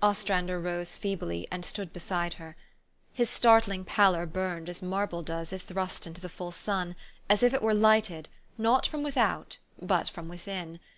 Ostrander rose feebly, and stood beside her. His startling pallor burned as marble does if thrust into the full sun, as if it were lighted, not from without, but from within.